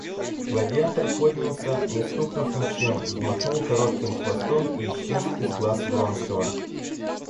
Гладиатор поднялся, не стукнув ничем, взмахнул коротким хвостом и исчез из глаз Вронского.